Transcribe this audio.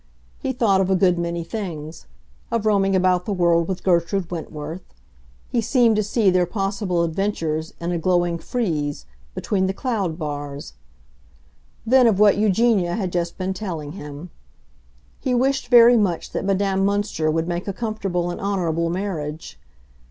He thought of a good many things—of roaming about the world with Gertrude Wentworth; he seemed to see their possible adventures, in a glowing frieze, between the cloud bars; then of what Eugenia had just been telling him. He wished very much that Madame Münster would make a comfortable and honorable marriage.